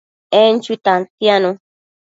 En chui tantianu